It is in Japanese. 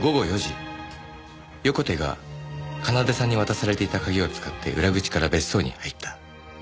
横手が奏さんに渡されていた鍵を使って裏口から別荘に入った。